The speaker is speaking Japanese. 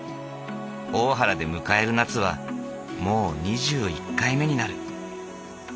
大原で迎える夏はもう２１回目になる。